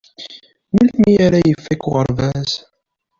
Melmi ara ifak uɣerbaz?